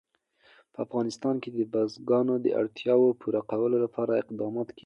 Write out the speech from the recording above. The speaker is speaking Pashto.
په افغانستان کې د بزګان د اړتیاوو پوره کولو لپاره اقدامات کېږي.